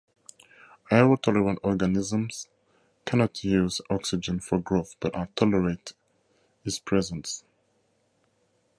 Aerotolerant organisms cannot use oxygen for growth but are tolerate its presence.